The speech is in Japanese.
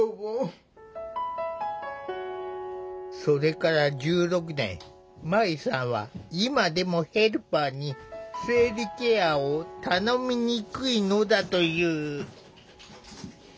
それから１６年まいさんは今でもヘルパーに生理ケアを頼みにくいのだという。